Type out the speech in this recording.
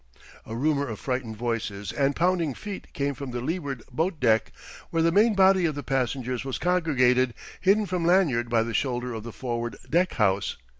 A rumour of frightened voices and pounding feet came from the leeward boat deck, where the main body of the passengers was congregated, hidden from Lanyard by the shoulder of the foreward deck house.